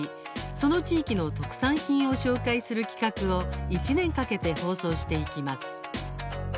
その地域の特産品を紹介する企画を１年かけて放送していきます。